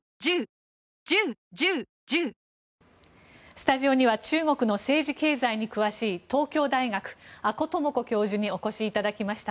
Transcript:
スタジオには中国の政治・経済に詳しい東京大学、阿古智子教授にお越しいただきました。